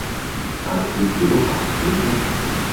但是小孩子呢？